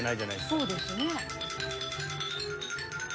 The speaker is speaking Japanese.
そうですね。